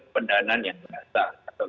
pendanan yang terdata atau